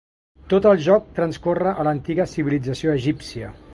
Tot el joc transcorre a l'antiga civilització egípcia.